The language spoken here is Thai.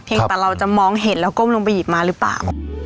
แต่เราจะมองเห็นแล้วก้มลงไปหยิบมาหรือเปล่า